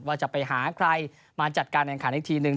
ว่าจะไปหาใครมาจัดการแข่งขันอีกทีหนึ่ง